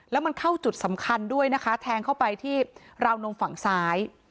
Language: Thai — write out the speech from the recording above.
แล้วมันเข้าจุดสำคัญด้วยนะคะแทงเข้าไปที่ราวนมฝั่งซ้าย